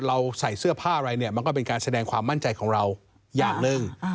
เราใส่เสื้อผ้าอะไรเนี่ยมันก็เป็นการแสดงความมั่นใจของเราอย่างหนึ่ง